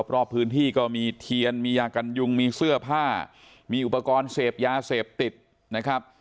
รอบพื้นที่ก็มีเทียนมียากันยุงมีเสื้อผ้ามีอุปกรณ์เสพยาเสพติดนะครับ